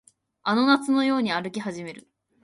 あの夏のように歩き始める